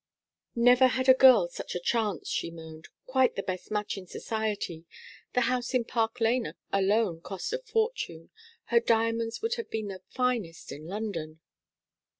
'Never had a girl such a chance,' she moaned. 'Quite the best match in society. The house in Park Lane alone cost a fortune. Her diamonds would have been the finest in London.'